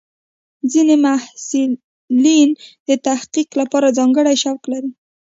ځینې محصلین د تحقیق لپاره ځانګړي شوق لري.